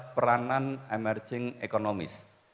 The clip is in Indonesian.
peranan emerging ekonomis